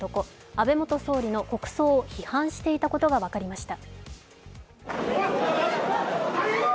安倍元総理の国葬を批判していたことが分かりました。